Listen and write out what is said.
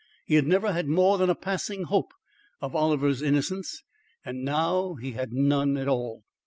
He had never had more than a passing hope of Oliver's innocence, and now he had none at all.